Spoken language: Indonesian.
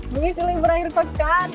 bungi seling berakhir pekat